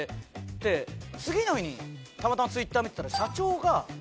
で次の日にたまたまツイッター見てたら。